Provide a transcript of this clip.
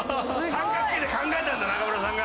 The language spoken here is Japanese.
三角形で考えたんだ中村さんが。